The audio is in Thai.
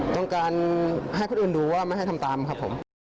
ต้องการให้คนอื่นดูว่าไม่ให้ทำตามครับผม